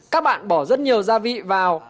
các bạn bỏ rất nhiều gia vị vào